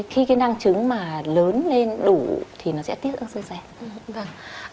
khi cái năng trứng mà lớn lên đủ thì nó sẽ tiết ớt dô xen